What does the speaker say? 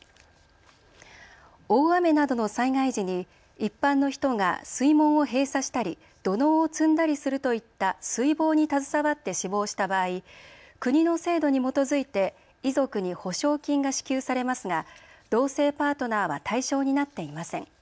大雨などの災害時に一般の人が水門を閉鎖したり土のうを積んだりするといった水防に携わって死亡した場合、国の制度に基づいて遺族に補償金が支給されますが同性パートナーは対象になっていません。